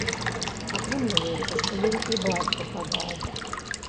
Атрымліваецца, што ён і бацьку прадаў.